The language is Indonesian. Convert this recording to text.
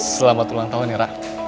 selamat ulang tahun ira